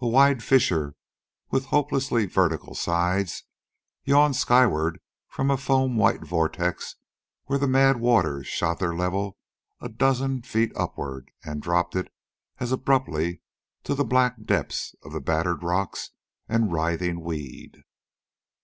A wide fissure, with hopelessly vertical sides, yawned skywards from a foam white vortex where the mad waters shot their level a dozen feet upward and dropped it as abruptly to the black depths of battered rock and writhing weed.